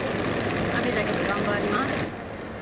雨だけど頑張ります。